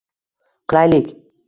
qilaylik